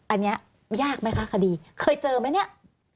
อันนี้ยากไหมคะคดีเคยเจอไหมเนี่ย